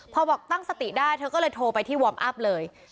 พอบอกตั้งสติได้เธอก็เลยโทรไปที่วอร์มอัพเลย